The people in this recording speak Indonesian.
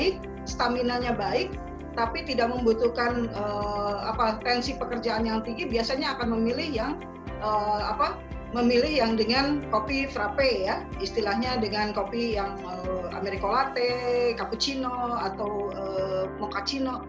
karena apa karena kandungan kafeinnya tidak terlalu tinggi